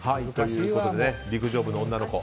陸上部の女の子